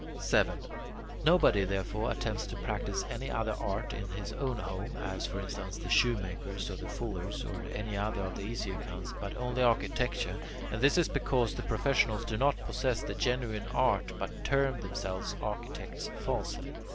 7. Nobody, therefore, attempts to practise any other art in his own home as, for instance, the shoemaker's, or the fuller's, or any other of the easier kinds but only architecture, and this is because the professionals do not possess the genuine art but term themselves architects falsely.